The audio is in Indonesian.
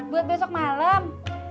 buat besok malem